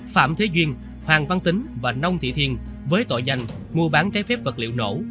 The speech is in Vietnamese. phạm thế duyên hoàng văn tính và nông thị thiên với tội danh mua bán trái phép vật liệu nổ